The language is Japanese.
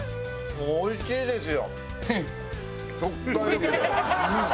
おいしいですよ。